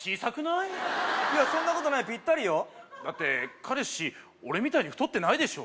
いやそんなことないピッタリよだって彼氏俺みたいに太ってないでしょ？